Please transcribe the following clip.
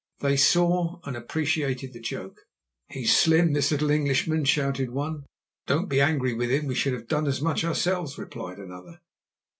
They saw and appreciated the joke. "He's slim, this little Englishman," shouted one. "Don't be angry with him. We should have done as much ourselves," replied another.